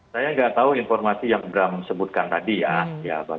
saya nggak tahu informasi yang bram sebutkan tadi ya